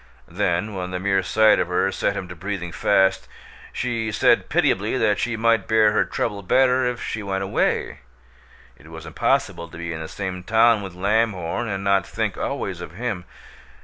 Then, when the mere sight of her set him to breathing fast, she said pitiably that she might bear her trouble better if she went away; it was impossible to be in the same town with Lamhorn and not think always of him.